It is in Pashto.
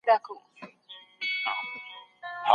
دا زيات دي.